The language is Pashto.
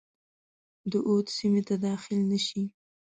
د اود سیمي ته داخل نه شي.